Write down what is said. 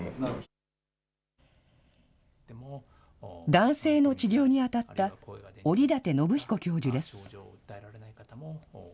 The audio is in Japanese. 男性の治療に当たった折舘伸彦教授です。